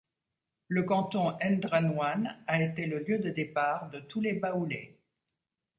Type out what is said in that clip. Le canton N'drannouan a été le lieu de départ de tous les baoulés.